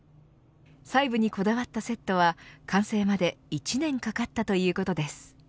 細部にこだわったセットは完成まで１年かかったということです。